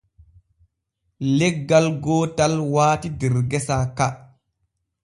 Leggal gootal waati der gesa ka.